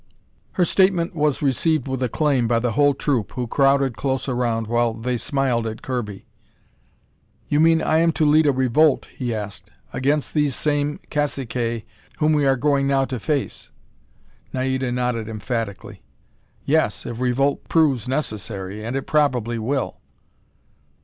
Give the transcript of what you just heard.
Her statement was received with acclaim by the whole troop, who crowded close around, the while they smiled at Kirby. "You mean I am to lead a revolt," he asked, "against these same caciques whom we are going now to face?" Naida nodded emphatically. "Yes, if revolt proves necessary. And it probably will."